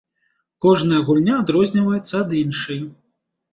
Кожная гульня адрозніваецца ад іншай.